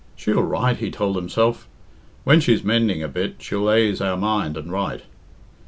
"She'll write," he told himself. "When she's mending a bit she'll aise our mind and write.